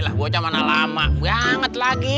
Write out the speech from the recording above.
yalah buat zaman alamak beranget lagi